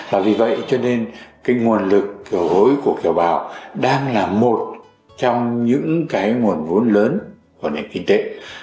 và vì vậy cho nên cái nguồn lực kiều hối của kiều bào đang là một trong những cái nguồn vốn lớn của nền kinh tế